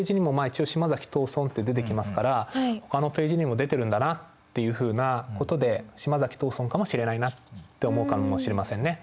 一応「島崎藤村」って出てきますからほかのページにも出てるんだなっていうふうなことで島崎藤村かもしれないなって思うかもしれませんね。